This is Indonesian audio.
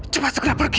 cepat segera pergi